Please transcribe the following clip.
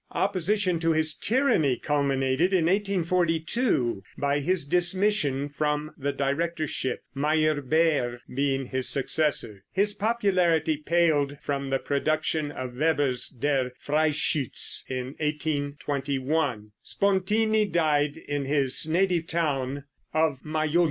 Opposition to his tyranny culminated in 1842 by his dismission from the directorship, Meyerbeer being his successor. His popularity paled from the production of Weber's "Der Freischütz" in 1821. Spontini died in his native town of Majolitat.